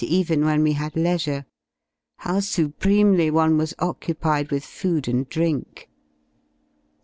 even when we had ( leisure, how supremely one was occupied with food and drink.